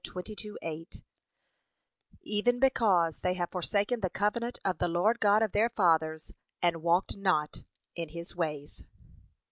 22:8) 'Even because they have forsaken the covenant of the Lord God of their fathers, and walked not in his ways.'